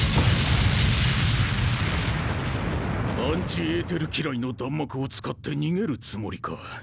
アンチエーテル機雷の弾幕を使って逃げるつもりか。